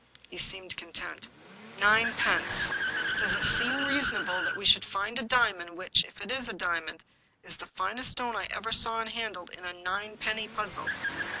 He seemed content." " Ninepence ! Does it seem reasonable that we should find a diamond, which, if it is a diamond, is the finest stone I ever saw and handled, in a ninepenny puzzle?